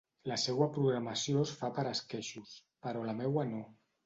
La seua propagació es fa per esqueixos, però la meua no.